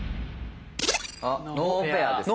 ノーペアですね。